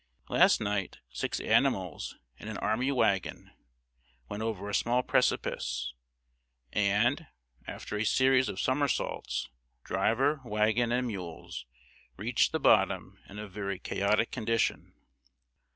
Last night, six animals and an army wagon went over a small precipice, and, after a series of somersaults, driver, wagon, and mules, reached the bottom, in a very chaotic condition.